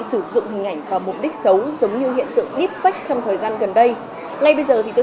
sử dụng hình ảnh vào mục đích xấu giống như hiện tượng deepfake trong thời gian gần đây ngay bây giờ thì tôi